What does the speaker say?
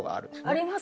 ありますね。